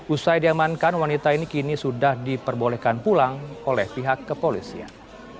usai diamankan wanita ini kini sudah diperbolehkan pulang oleh pihak kepolisian